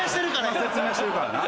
今説明してるからな。